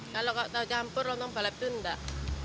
kalau tahu campur lontong balap itu enggak